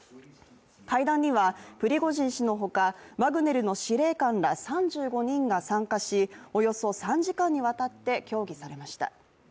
会談にはプリゴジン氏のほか、ワグネルの司令官ら３５人が参加しおよそ３時間にわたって協議されました。